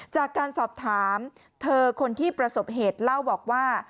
จากการสอบถามเธอคนที่ประสบเหตุเล่าบอกว่า